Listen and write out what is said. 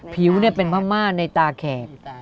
ผิวเนี่ยเป็นพระม่าในตาแขก